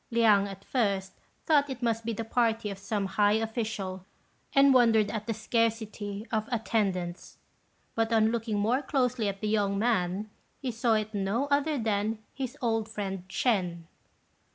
Liang, at first, thought it must be the party of some high official, and wondered at the scarcity of attendants; but, on looking more closely at the young man, he saw it was no other than his old friend Ch'ên.